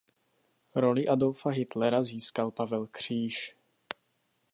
Roli Adolfa Hitlera získal Pavel Kříž.